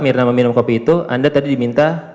mirna meminum kopi itu anda tadi diminta